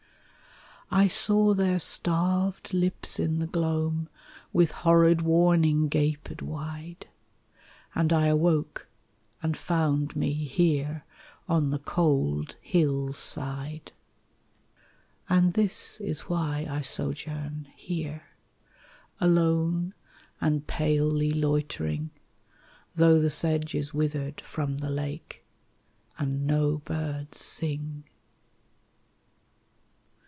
I saw their starved lips in the gloam With horrid warning gaped wide, And I awoke and found me here On the cold hill's side. RAINBOW GOLD And this is why I sojourn here Alone and palely loitering, Though the sedge is withered from the lake, And no birds sing.